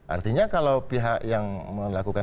artinya kalau pihak yang melakukan